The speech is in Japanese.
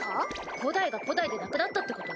古代が古代でなくなったってこと？